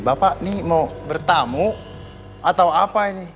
bapak ini mau bertamu atau apa ini